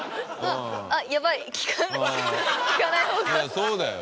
そうだよ。